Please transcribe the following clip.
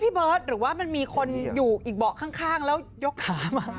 เบิร์ตหรือว่ามันมีคนอยู่อีกเบาะข้างแล้วยกขามา